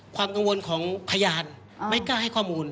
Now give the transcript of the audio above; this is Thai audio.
ความกังวลของพยานไม่กล้าให้ข้อมูล